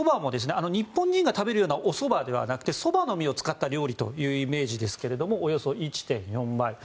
日本人が食べるようなおそばではなくてソバの実を使った料理というイメージですけれどもおよそ１．４倍。